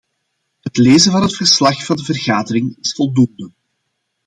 Het lezen van het verslag van de vergadering is voldoende.